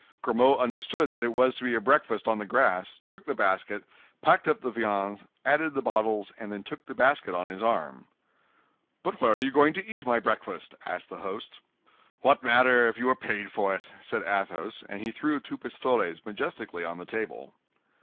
Grimaud understood that it was to be a breakfast on the grass, took the basket, packed up the viands, added the bottles, and then took the basket on his arm. "But where are you going to eat my breakfast?" asked the host. "What matter, if you are paid for it?" said Athos, and he threw two pistoles majestically on the table.